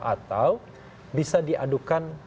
atau bisa diadukan